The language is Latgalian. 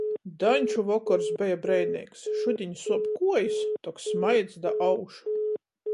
Daņču vokors beja breineigs. Šudiņ suop kuojis, tok smaids da aušu.